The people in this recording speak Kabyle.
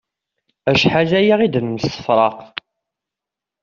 Acḥal aya i d-nemsefraq.